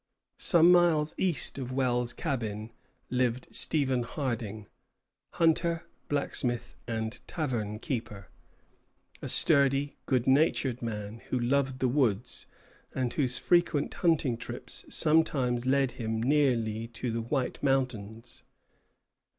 Some miles east of Wells's cabin lived Stephen Harding, hunter, blacksmith, and tavern keeper, a sturdy, good natured man, who loved the woods, and whose frequent hunting trips sometimes led him nearly to the White Mountains.